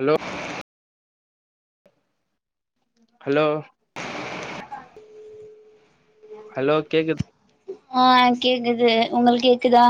allow hello hello கேக்குத் மா ய் கேக்குது உங்களு கேக்குதா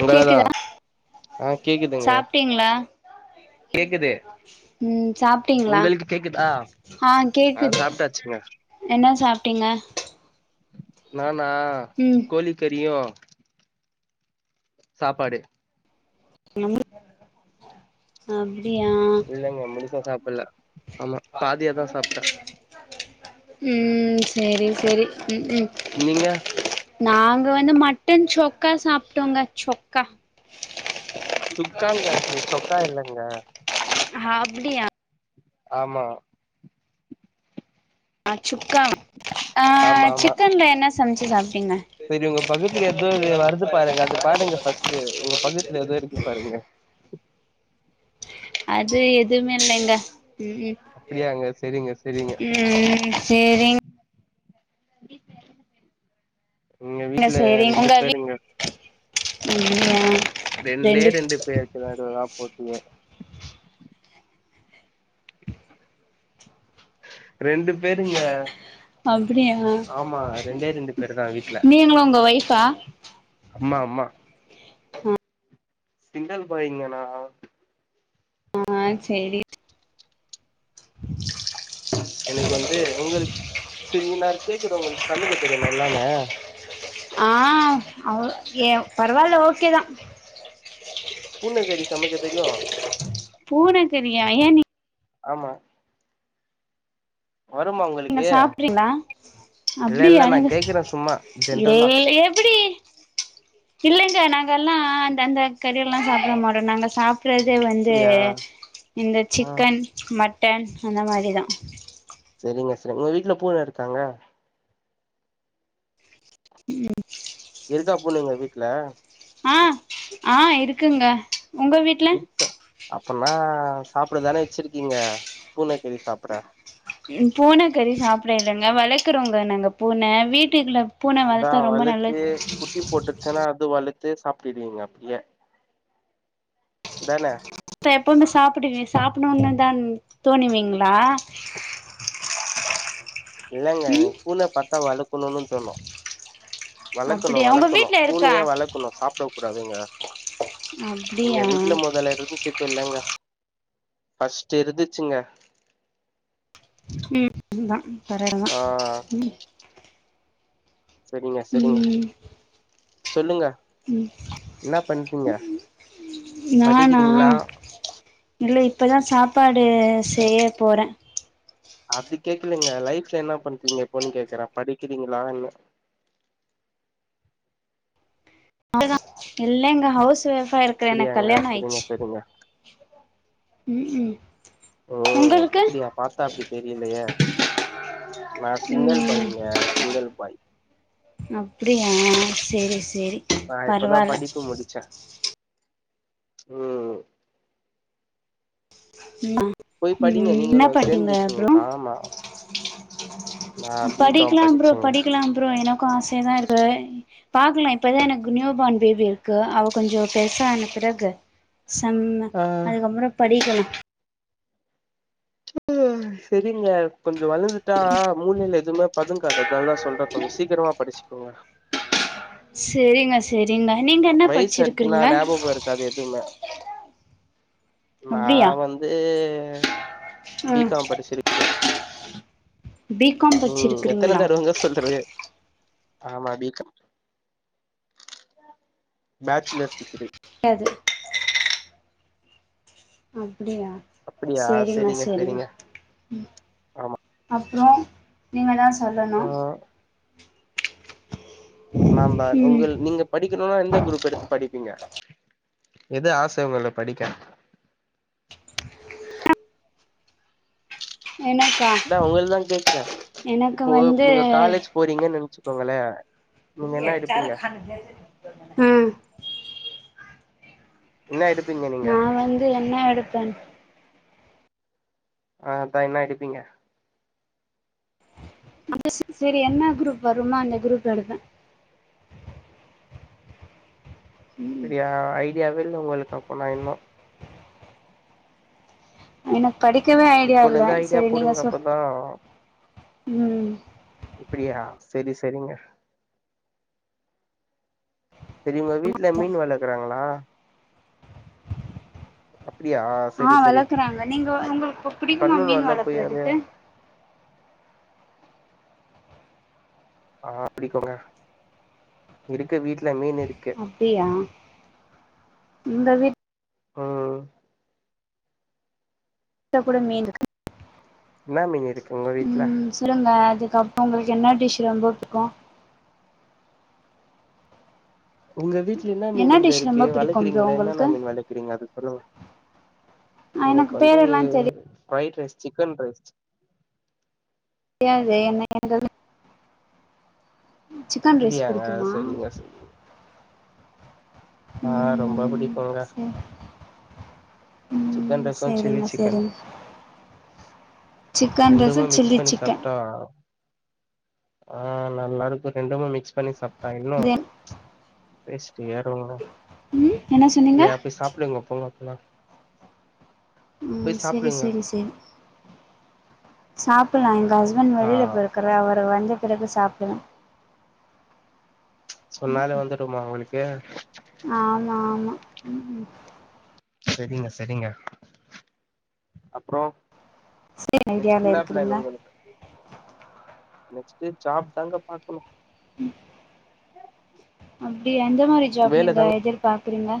உங்களதா கேக்குதா ஆ கேக்குதுங்க சாப்ட்டீங்களா கேக்குது ம் சாப்ட்டீங்ளா உங்களுக்கு கேக்குதா ஆ ஆ கேக்குது சாப்ட்டாச்சுங்க என்ன சாப்ட்டீங்க நானா ம் கோழி கறியு சாப்பாடு நம்முரு அப்டியா இல்லங்க முழுசா சாப்பில்ல ஆமா பாதியாதா சாப்ட்ட ம் சரி சரி ம் ம் நீங்க நாங்க வந்து மட்டன் சொக்கா சாப்ட்டோங்க சொக்கா சுக்காங்க அது சொக்கா இல்லங்க ஹஅப்டியா ஆமா ஆ சுக்கா அ ஆமா ஆமா சிக்கனல என்ன சமச்சு சாப்ட்டீங்க சரி உங்க பக்கத்துல ஏதோ வருது பாருங்க அது பாருங்க ஃபர்ஸ்ட்டு உங்க பக்கத்துல ஏதோ இருக்கு பாருங்க அது எதுமே இல்லங்க ம் ம் அப்டியாங்க சரிங்க சரிங்க ம் ம் செரிங் எங்க வீட்ல ரெண்டு பேருங்க ம் ரெண்டே ரெண்டு பேருக்குதா போட்டீங்க ரெண்டு பேருங்க அப்டியா ஆமா ரெண்டே ரெண்டெ ரெண்டு பேரு தா பேருதா வீட்ல நீங்களு உங்க ஒய்ஃபா ம்மா ம்மா சிங்கல் பயங்க நா ஆ செரி எனக்கு வந்து உங்களுக்கு சரி நா கேக்குறே உங்களுக்கு சமைக்க தெரியுமா எல்லாமே ஆ அவ்ள ஏ பரவால்ல ஓகே தா பூன்ன கரி சமைக்க தெரியு பூனக்கறியா ஏ நீ ஆமா வருமா நீங்க உங்களுக்கு சாப்றீங்களா இல்ல அப்டியா இல்ல நா நீங்க கேக்குறே சும்மா ஏ ஜென்ரலா எப்டி இல்லைங்க நாங்க எல்லா அந்த அந்த கறி எல்லா சாப்ட மாட்டோ நாங்க சாப் அப்பறதுே வந்து அப்டியா இந்த ஆ சிக்கன் மட்டன் அந்த மாதிரி தா சரிங்க சரி உங்க வீட்டுல பூன இருக்காங்க ம் இருக்கா பூனைங்க வீட்ல ஆ ஆ இருக்குங்க உங்க வீட் இருக்கு அப்பனா சாப்பிட தானே வச்சிருக்கீங்க பூனக்கறி சாப்ட பூன கறி சாப்பிட இலைங்க வளர்க்கறோங்க நாங்க பூனை வீட்டுக்குள்ள பூன வளர்த்தா ரொம்ப நல்லது போட்டுச்சன்னா அது வளர்த்து சாப்டுவீங்க அப்படியே தானே எப்பவுமே சாப்பிடு சாப்பிடணும்னு தா தோணுவிங்களா இல்லங்க எனகு ம் பூன பார்த்தா வளக்கணும்னு தோணு வளர்க்கணு அப்படியா உங்க வளர்க்கணு வீட்ல இருக்கா பூனைய வளர்க்கணு சாப்ட கூடாதுங்க எங்க அப்படியா வீட்டுல மொதல இருந்ச் இப்ள்ளைங்க ஃபஸ்ட் இருந்துச்சுங்க ம் ந தரையட தா ஆ ம் சரிங்க சரிங்க ம் சொல்லுங்க ம் என்ன பண்ட்டீங்க நானா இல்ல இப்பதான் சாப்பாடு செய்ய போறேன் அது கேக்கலீங்க லைப்ல என்ன பண்ணறீங்க அப்டினு கேக்குறேன் படிக்கிறீங்களா அன் இல்லங்க ஹவுஸ் ஒய்ஃபா இருக்கறேன் எனக்கு அப்படியாங்க கல்யாணம் செரிங்க ஆயிடுச்சு செரிங்க உம் உம் ஓ அப்படியா பாத்தா அப்படி தெரியலையா நான் சிங்கள் ம் பாய்ங்க சிங்கிள் பாய் அப்படியா செரி செரி நா இப்பதா பரவாயில்ல படிப்பு உம் உம் போய் படிங்க நீங்களும் சேர்ந்துப்பிங்க ஆமா நான் பி காம் படிச்சேங்க படிக்கலாம் ப்ரோ எனக்கும் ஆசையா தான் இருக்கு பாக்கலாம் இப்பதான் எனக்கு நியூ பார்ன் பேபி இருக்கு அவ கொஞ்சம் பெருசான பிறகு செம்ம ஆ அதுக்கப்புறம் படிக்கலாம் செரிங்க கொஞ்சம் வளர்ந்துட்டா மூளையில எதுவுமே பதுங்காது அதனால தான் சொல்றேன் கொஞ்சம் சீக்கிரமா படிச்சுக்கோங்க செரிங்க செரிங்க நீங்க என்ன வயசாயிடுச்சுன்னா படிச்சிருக்கறீங்க ஞாபகோ இருக்காது நான் வந்து பி ஆ காம் படிச்சிருக்கேன் பி காம் உம் எத்தனை படிச்சிருக்கிறீங்களா தருவங்க சொல்றது ஆமா பி காம் பேச்சுலர் டிகிரி அது அப்படியா அப்டியா சேரிங்க செரிங்க சேரிங்க செரிங்க ம் ஆமா அப்புறம் நீங்கள் தான் ஆ சொல்லணும் நாம ம் உங்கள் நீங்க படிக்கணும்னா எந்த குரூப் எடுத்து படிப்பீங்க எது ஆசை உங்களுக்கு படிக்க எனக்கு அதான் உங்கள தான் கேக்குறேன் இப்போ வந்து நீங்க காலேஜ் போறீங்கன்னு நினைச்சுக்கோங்களேன் ம் என்ன எடுப்பிங்க நான் வந்து என்ன எடுப்பேன் ஆ அதான் என்ன எடுப்பிங்க சேரி என்ன குரூப் வருமோ அந்த குரூப் எடுப்பேன் இப்படியா ஐடியாவே இல்லை உங்களுக்கு அப்போனா இன்னும் எனக்கு படிக்கவே ஐடியா இப்பல இல்ல இருந்து ஐடியா செரி நீங்க போடுங்க சொ அப்பதா இப்படியா செரி செரிங்க செரி உங்க வீட்டுல மீன் வளர்க்கறாங்களா அப்படியா ஆ சரி சரி வளர்க்குறாங்க நீங்க உங்களுக்கு பிடிக்குமா மீன் பண்ணணும்ல்ல போய் அது வளர்க்குறதுக்கு ஆ புடிக்குங்க இருக்கு வீட்டுல மீன் இருக்கு அப்டியா இந்த வீட்டு ம் வீட்ல கூட மீன் இருக்கு என்னா மீன் இருக்கு உங்க வீட்டுல ம் சொல்லுங்க அதுக்கப்புறம் உங்களுக்கு என்ன டிஷ் ரொம்ப பிடிக்கும் உங்க வீட்டுல என்ன மீன்னுங்க டிஷ் இருக்கு ரொம்ப பிடிக்கு ப்ரோ வளக்கிறீங்களல உங்களுக்கு என்னென்ன மீன் வளக்கிறீங்க அது சொல்லுங்க எனக்கு வந்து fried rice chicken fried rice தெரியாது என்ன சிக்கன் ரைஸ் அப்படியாங்க பிடிக்குமா சரிங்க சரிங்க ஆ ரொம்ப ம் பிடிக்குங்க சரி சிக்கன் ம் ரைசு சில்லி சரிங்க சிக்கன் சரிங்க சிக்கன் ரைஸு ரெண்டுவ மிக்ஸ் சில்லி பண்ணி சிக்கன் சாப்ட்டா ஆ நல்லாருக்கு ரெண்டுமே மிக்ஸ் பண்ணி சாப்ட்டா இன்னு டேஸ்ட் ஏறுங்க ம் என்ன சொன்னீங்க அப்டியா போய் சாப்பிடுங்க போங்க போங்க ம் போய் செரி சாப்டுங்க செரி செரி சாப்பல்லா எங்க அஸ்பெண்டு ஆ வெளில போயி ருக்காரு அவரு வந்த பிறகு சாப்டுவ சொன்னாலு வந்துடுமா உங்களுக்கு ஆமா ஆமா ம் சரிங்க சரிங்க அப்றோ சேம் நெக்ஸ்ட் ஐடியால என்னா பிளான் இருக்குறீங்க உங்களுக்கு நெக்ஸ்ட்டு ஜாப் தாங்க பாக்கணு ம் அப்டியா எந்த மாரி ஜாப் வேல நீங்க தாங்க எதிர்பாக்குறிங்க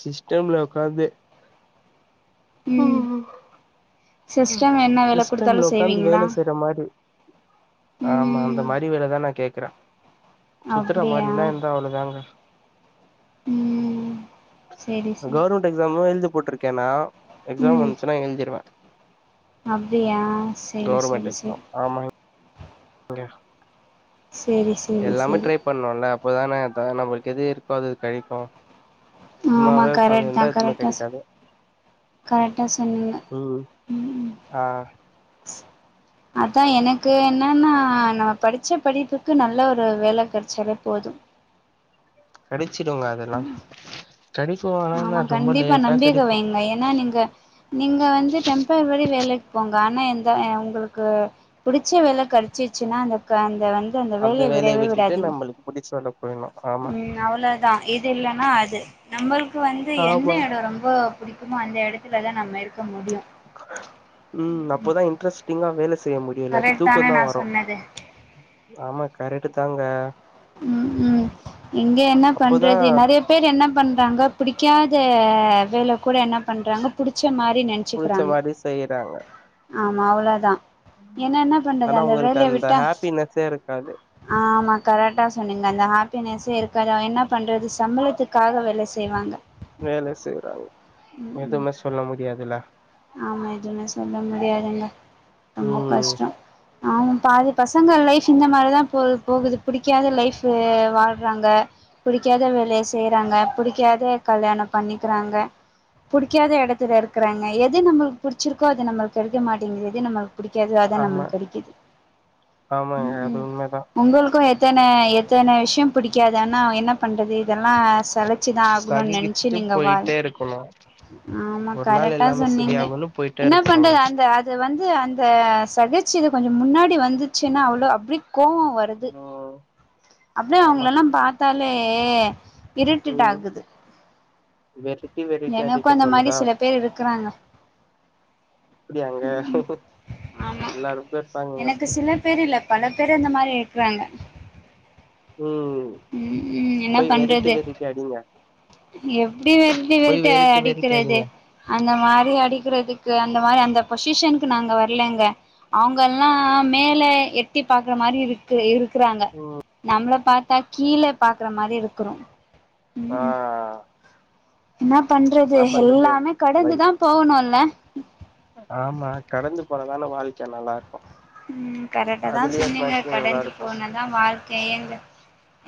சிஸ்டம்ல உக்காந்து ம் சிஸ்டம் என்ன வேல குடுத்தாலு சிஸ்டம்ல உக்காந்து செய்வீங்களா வேல செய்ற மாரி ஆமா அந்த ம் மாரி வேலதா நா கேக்குற சுத்துற அப்டியா மாதிரில்லா இருந்தா அவ்ளதாங்க ம் செரி சார் கவர்மெண்ட் எக்ஸாமு எழுதி போட்ருக்கேனா எக்ஸாம் ம் வந்துச்சுனா எழுதிருவே அப்டியா செரி செரி செரி ஆமாங் க செரி செ எல்லாமே ட்ரை பண்ணுல்ல அப்பதானே த நம்ளுக்கு எது இருக்கோ அது கெடைக்கு ஆமா சும்மாவே கரெக்ட்தா உக்காந்துருந்தா எதுவுமே கரெக்டா சொ கெடைக்காது கரெக்டா சொன்னிங்க ம் ம் ஆ அதா எனக்கு என்னன்னா நம்ம படிச்ச படிப்புக்கு நல்ல ஒரு வேல கெடச்சாலே போது கெடச்சிடுங்க அதெல்லா ஸ்டடிஸு ஆமா கண்டிப்பா நம்பிக்கெ வைங்க ஏன்னா நீங்க நீங்க வந்து டெம்பரவரி வேலைக்கு போங்க ஆனா எந்த உங்களுக்கு புடிச்ச வேலை கெடைச்சிச்சுன்னா அந்த க அந்த வந்து அந்த வேலைய விடவே விடாதிங்க புடிச்ச வேலைக் போயணு ம் அவ்ளதா இது இல்லன்னா அது நம்மளுக்கு வந்து எந்த ஆமா எட ரொம்ப புடிக்குமோ அந்த எடத்துலதா நம்ம இருக்க முடியு ம் அப்போதா இன்ட்ரெஸ்டிங்கா வேல செய்ய முடியு இல்லாட்டி கரெக்ட் தானே தூக்கந்தா நா வரு சொன்னது ஆமா கரெட்டு தாங்க ம் ம் இங்க என்ன அப்போதா பண்றது நெறைய பேர் என்ன பண்றாங்க பிடிக்காத வேலை கூட என்ன பண்றாங்க புடிச்ச மாரி புடிச்ச நெனச்சுக்கிறாங்க மாரி செய்யறாங்க ஆமா அவ்ளதா ஏன்னா என்ன பண்றது ஆனா அந்த உங்களுக்கு வேலைய விட்டா ஹாப்பினஸ்ஸே இருக்காது ஆமா கரெக்டா சொன்னிங்க அந்த ஹாப்பினஸ்ஸே இருக்காது என்ன பண்றது சம்பளத்துக்காக வேல செய்வாங்க வேலை செய்றாங்க எதுமே சொல்ல முடியாதுல ஆமா எதுமே சொல்ல முடியாதுங்க ரொம்ப ம் கஷ்ட ஆமா பாதி பசங்க லைஃப் இந்த மாரிதா போது போகுது பிடிக்காத லைஃப் வாழ்றாங்க புடிக்காத வேலைய செய்யறாங்க புடிக்காத கல்யாண பண்ணிக்கறாங்க புடிக்காத எடத்துல இருக்கறங்க எது நம்மளுக்கு புடிச்சிருக்கோ அது நம்மளுக்கு கெடைக்க மாட்டேங்குது எது நம்ம புடிக்காதோ அதா ஆமா நம்மளுக்கு கெடைக்குது ஆமாங்க அது உண்மதா உங்களுக்கு எத்தன எத்தன விஷயோ புடிக்காது ஆனா என்ன பண்றது இதெல்லா சலிச் சு தா ஆகணுன் நெனச்சு சகிக்கிச்சுட்டு நீங்க வா போயிட்டே இருக்கணு ஒரு நாள் கரெக்டா எல்லாமே சொன்னீங்க சரியாகுன்னு போயிட்டே என்ன இருக்கணுங்க பண்றது அந்த அது வந்து அந்த சகிச்சிது இத கொஞ்சோ முன்னாடி வந்துச்சுன்னா அவ்ளோ அப்டி கோவம் வருது அப்டியே ஆமா அவங்களல்லா பாத்தாலே இருட்டேட் ஆகுது வெரட்டி வெரட்டி எனக்கு அடிக்க அந்த மாரி தோணுதா சில பேர் இருக்குறாங்க அப்டியாங்க எல்லாருமே இருப்பாங்கங்க அப்டி தெறியில பல பேரு இந்த மாரி இருக்குறாங்க ம் உம் உம் என்ன போய் வெரைட்டி பண்றது வெரைட்டி அடிங்க எப்டி வெ ரட்டி போய் வெறட்டி வெரைட்டி வெரைட்டி அடிக்கிறது அடிங்க அந்த மாரி அடிக்கிறதுக்கு அந்த மாரி அந்த பொசிஷன்க்கு நாங்க வரலங்க அவங்கல்லா மேல எட்டி பாக்குற மாரி இருக்குது இருக்குறாங்க ஓ நம்மள பாத்தா கீழ பாக்குற மாரி இருக்கிறோ ஆ என்ன பண்றது என்ன பண்றது எல்லாமே லைஃப் கடந்துதா போவணுல்ல ஆமா கடந்து போனாதானே வாழ்க்க நல்லா இருக்கு உம் கரெக்டா தா அதுலயே இருந்தா சொன்னீங்க எப்டி நல்லா கடந்து இருக்கு போனாதா வாழ்கையே எங்ள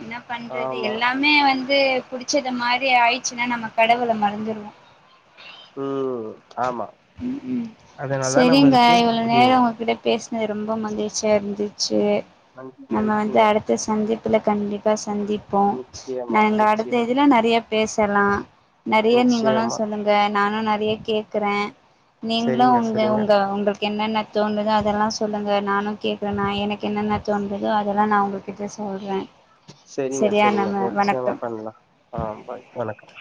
என்ன பண்றது ஆமா எல்லா தும்னே வந்து புடிச்சது மாரி ஆயிடுச்சுன்னா நம்ம கடவுள மறந்துடுவோ உம் ஆமா உம் ம் அதனாலதா செரிங்க நம்மளுக்கு இவ்ளோ இப்டி நேரோ உங்ககிட்ட பேசுனது ரொம்ப மகிழ்ச்சியா இருந்துச்சு நன்றி நன்றிங்க த்த சந்திப்புல கண்டிப்பா சந்திப்போ நா நிச்சயமா எங்க அடுத்த நிச்சய இதுல நெறைய பேசலா நெறைய நீங்களு நிச்சயமா சொல்லுங்க நானு நறைய கேக்குறே நீங்களு செரிங்க உங்க செரிங்க உங்க உங்களுக் கென்னென்ன தோனுதோ அதெல்லா சொல்லுங்க நானு கேக்குறே நா எனக்கு என்னென்ன தோன்றுதோ அதெல்லா நா உங்களுக் கிட்ட சொல்றே செரிங்க செரியா செரிங்க நம்ம நிச்சயமா வணக்கம் பண்லா ஆ பாய் வணக்கம்